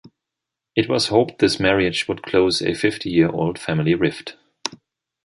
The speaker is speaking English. It was hoped this marriage would close a fifty-year-old family rift.